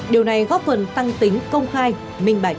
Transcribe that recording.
điều này góp phần tăng tính công khai minh bạch